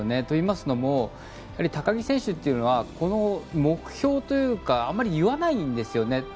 といいますのも、高木選手は目標というかあまり言わないんですよね。